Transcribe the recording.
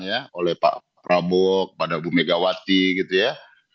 ya oleh pak prabowo kepada ibu megawati gitu ya